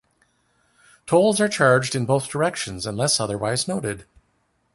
Tolls are charged in both directions unless otherwise noted.